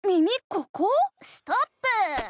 ここ⁉ストップー！